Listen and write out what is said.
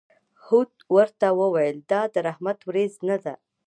هود ورته وویل: دا د رحمت ورېځ نه ده.